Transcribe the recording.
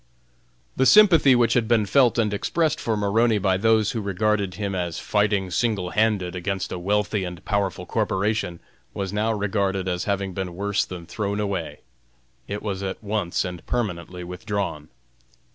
The sympathy which had been felt and expressed for Maroney by those who regarded him as fighting single handed against a wealthy and powerful corporation, was now regarded as having been worse than thrown away. It was at once and permanently withdrawn.